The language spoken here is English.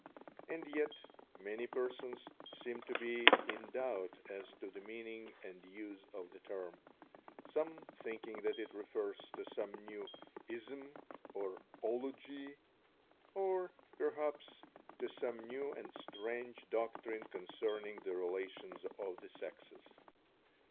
And yet, many persons seem to be in doubt as to the meaning and use of the term; some thinking that it refers to some new "ism" or "ology," or perhaps to some new and strange doctrine concerning the relations of the sexes.